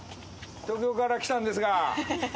東京から来たんですが。